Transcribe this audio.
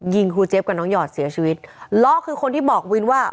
ครูเจฟกับน้องหยอดเสียชีวิตล้อคือคนที่บอกวินว่า